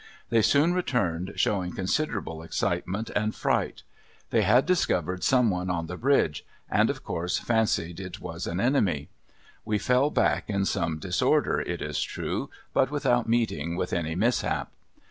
They soon returned, showing considerable excitement and fright. They had discovered some one on the bridge, and, of course, fancied it was an enemy. We fell back in some disorder, it is true, but without meeting with any mishap.